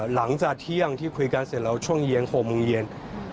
หลังจากเที่ยงที่คุยกันเสร็จแล้วช่วงเย็น๖โมงเย็น